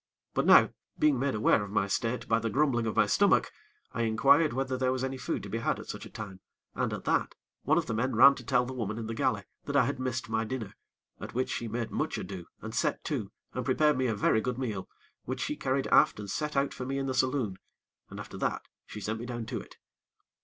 But now, being made aware of my state by the grumbling of my stomach, I inquired whether there was any food to be had at such a time, and, at that, one of the men ran to tell the woman in the galley that I had missed my dinner, at which she made much ado, and set to and prepared me a very good meal, which she carried aft and set out for me in the saloon, and after that she sent me down to it.